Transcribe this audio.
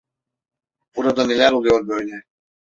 Burada neler oluyor böyle?